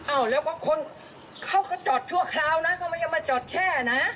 อ้าวแล้วก็คนเขาก็จอดทั่วคราวนะก็มันยังมาจอดแช่นะ